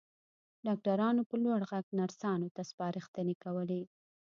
ډاکټرانو په لوړ غږ نرسانو ته سپارښتنې کولې.